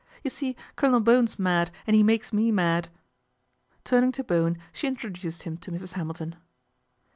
You see Colonel Bowen's mad and he makes me mad." Turning to Bowen she introduced him to Mrs. Hamilton.